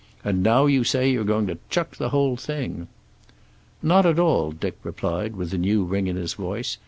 And now you say you're going to chuck the whole thing." "Not at all," Dick replied, with a new ring in his voice.